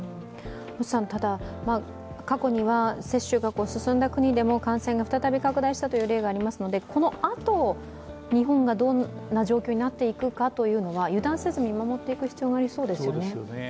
ただ、過去には接種が進んだ国でも感染が再び拡大した例がありますので、このあと日本がどんな状況になっていくかというのは油断せず見守っていく必要がありそうですね。